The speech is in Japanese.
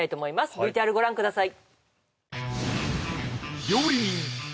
ＶＴＲご覧ください